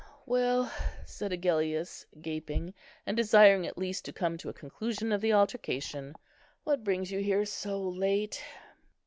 "Well," said Agellius, gaping, and desiring at least to come to a conclusion of the altercation, "what brings you here so late?"